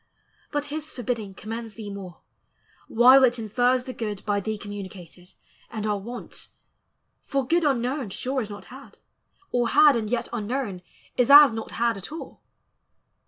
but his forbidding Commends thee more, while it infers the good By thee communicated, and our want: For good unknown sure is not had, or had And yet unknown is as not had at all.